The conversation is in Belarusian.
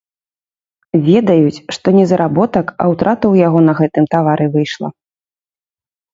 Ведаюць, што не заработак, а ўтрата ў яго на гэтым тавары выйшла.